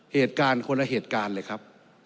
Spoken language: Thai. เหตุการณ์คนละเหตุการณ์เลยครับ